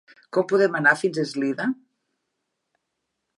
Com podem anar fins a Eslida?